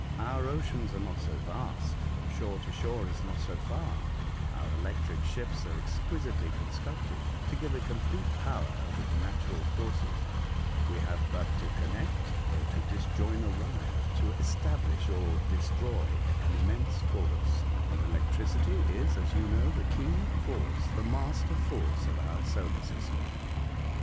Our oceans are not so vast, from shore to shore is not so far, our electric ships are exquisitely constructed to give a complete power over the natural forces ; we have but to connect or to disjoin a wire to establish or destroy an immense force, and electricity is, as you know, the key force, the master force of A Martian Instructor, 125 our solar system.